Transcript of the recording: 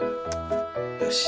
よし。